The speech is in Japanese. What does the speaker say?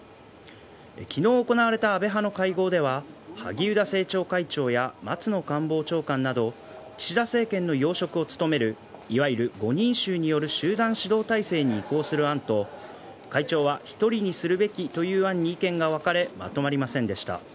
昨日行われた安倍派の会合では萩生田政調会長や松野官房長官など岸田政権の要職を務めるいわゆる５人衆による集団指導体制に移行する案と会長は１人にするべきという案に意見が分かれまとまりませんでした。